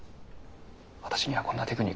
「私にはこんなテクニックがある」